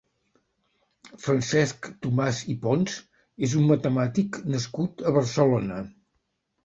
Francesc Tomàs i Pons és un matemàtic nascut a Barcelona.